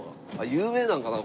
有名なんかな？